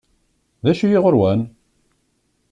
D acu-yi ɣur-wen?